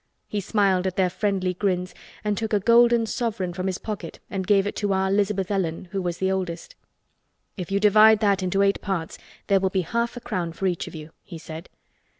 He smiled at their friendly grins and took a golden sovereign from his pocket and gave it to "our 'Lizabeth Ellen" who was the oldest. "If you divide that into eight parts there will be half a crown for each of, you," he said.